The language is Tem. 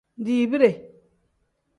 Dibide.